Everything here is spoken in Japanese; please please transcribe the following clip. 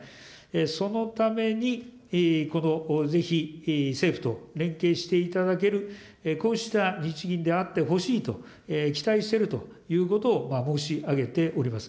そのために、ぜひ政府と連携していただける、こうした日銀であってほしいと期待しているということを申し上げております。